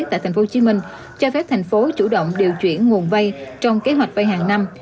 tại tp hcm cho phép thành phố chủ động điều chuyển nguồn vay trong kế hoạch vay hàng năm